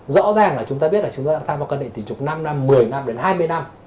rõ ràng là chúng ta biết là chúng ta đang tham quan cân định tình trục năm năm một mươi năm đến hai mươi năm